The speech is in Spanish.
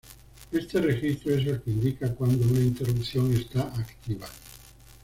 Este registro es el que indica cuando una interrupción esta activa.